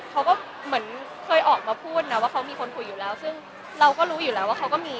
เคยออกมาพูดว่าเค้ามีคนคุยอยู่แล้วซึ่งเราก็รู้อยู่แล้วว่าเค้าก็มี